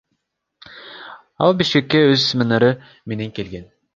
Ал Бишкекке өз семинары менен келген.